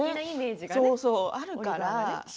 そうそう、あるから。